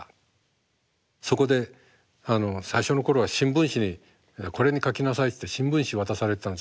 そこで最初の頃は新聞紙に「これに描きなさい」っていって新聞紙渡されてたんですよ。